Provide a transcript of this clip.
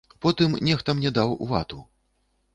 Потым нехта мне даў вату.